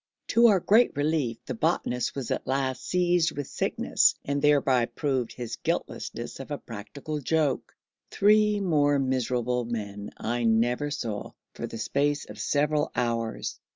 To our great relief the botanist was at last seized with sickness, and thereby proved his guiltlessness of a practical joke; three more miserable men I never saw for the space of several hours.